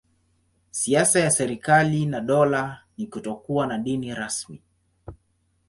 Siasa ya serikali na dola ni kutokuwa na dini rasmi.